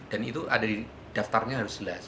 dan itu ada di daftarnya harus jelas